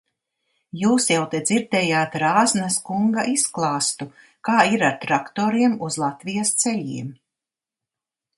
Jūs jau te dzirdējāt Rāznas kunga izklāstu, kā ir ar traktoriem uz Latvijas ceļiem.